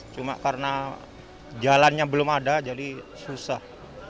cuma karena jalannya belum ada jadi susah